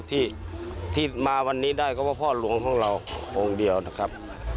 ที่มาวันนี้ได้ก็ว่าพ่อหลวงของเราองค์เดียวนะครับ